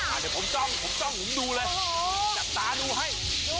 อ่าเดี๋ยวผมต้องผมดูเลยจับสตาร์ดูให้